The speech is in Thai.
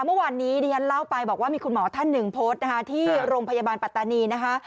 เมื่อวานนี้ดิฉันเล่าไปบอกว่ามีคุณหมอท่านหนึ่งโพสต์นะคะที่โรงพยาบาลปัตตานีนะคะ